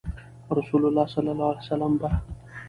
رسول الله صلی الله عليه وسلم به